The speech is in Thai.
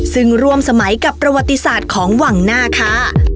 ซึ่งร่วมสมัยกับประวัติศาสตร์ของวังหน้าค่ะ